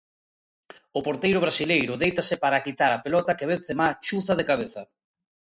O porteiro brasileiro déitase para quitar a pelota que Benzemá chuza de cabeza.